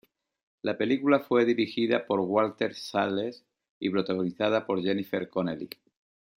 La película fue dirigida por Walter Salles, y protagonizada por Jennifer Connelly.